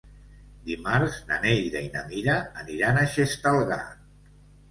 Dimarts na Neida i na Mira aniran a Xestalgar.